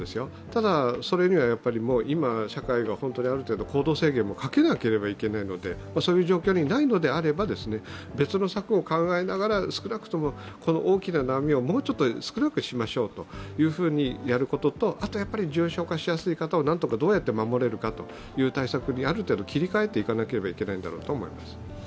ただ、それには今、社会がある程度、行動制限もかけなければいけないのでそういう状況にないのであれば別の策を考えながら少なくとも大きな波をもうちょっと少なくしましょうとやることとあとは重症化しやすい方をどうやって守れるか、ある程度、切り替えていかなければいけないんだろうと思います。